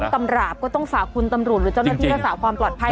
ตำราบก็ต้องฝากคุณตำรวจหรือเจ้าหน้าที่รักษาความปลอดภัย